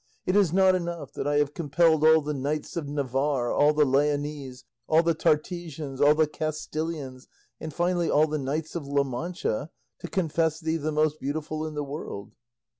It is not enough that I have compelled all the knights of Navarre, all the Leonese, all the Tartesians, all the Castilians, and finally all the knights of La Mancha, to confess thee the most beautiful in the world?"